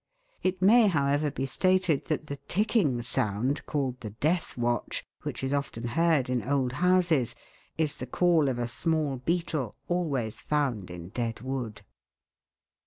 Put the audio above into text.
It may, however, be stated that the ticking sound, called the " death watch," which is often heard in old houses, is the call of a small beetle always found in dead wood.